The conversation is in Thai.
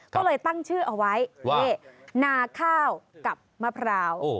ก็เลยตั้งชื่อเอาไว้นาข้าวกับมะพร้าว